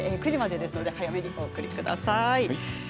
９時までですので早めにお送りください。